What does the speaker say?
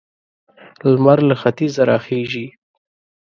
لمر له ختيځه را خيژي.